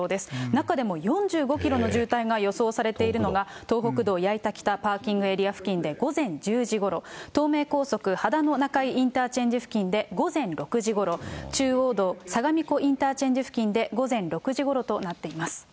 中でも４５キロの渋滞が予想されているのが、東北道矢板北パーキングエリア付近で午前１０時ごろ、東名高速秦野中井インターチェンジ付近で午前６時ごろ、中央道相模湖インターチェンジ付近で午前６時ごろとなっています。